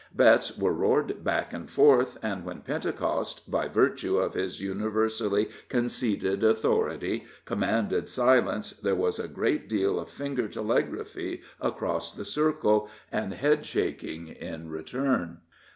Bets were roared back and forth, and when Pentecost, by virtue of his universally conceded authority, commanded silence, there was a great deal of finger telegraphy across the circle, and head shaking in return.